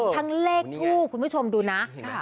ทั้งเลขทูบคุณผู้ชมดูนะ